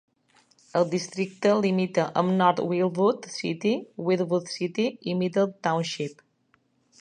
El districte limita amb North Wildwood City, Wildwood City i Middle Township.